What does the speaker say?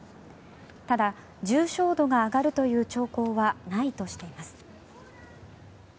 ただ、重症度が上がるという兆候はないとしています。